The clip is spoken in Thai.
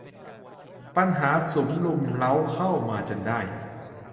ปัญหาสุมรุมเร้าเข้ามาจนได้